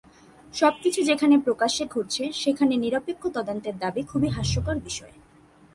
সবকিছু যেখানে প্রকাশ্যে ঘটছে, সেখানে নিরপেক্ষ তদন্তের দাবি খুবই হাস্যকর বিষয়।